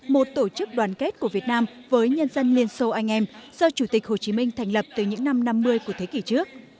một tổ chức đoàn kết của việt nam với nhân dân liên xô anh em do chủ tịch hồ chí minh thành lập từ những năm năm mươi của thế kỷ trước